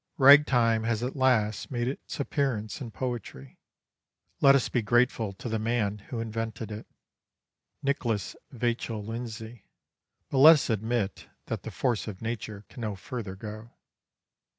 Rag time has at last made its appearance in poetry. Let us be grateful to the man who invented it Nicholas Vachel Lindsay but let us admit that the force of nature can no further go.